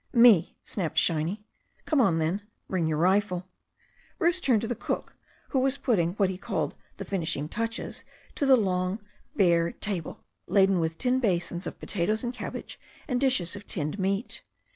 "Me," snapped Shiny. "Come on, then. Bring your rifle." Bruce turned to the cook, who was putting what he called the finishing touches to the long, bare table, laden with tin basins of potatoes and cabbage, and dishes of tinned meat.